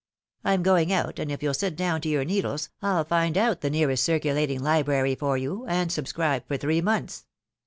" I'm going out, and if you'll sit down to your needles, I'll find out the nearest circulating library for you, and subscribe for three months."